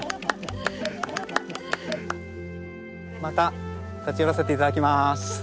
また立ち寄らせていただきます。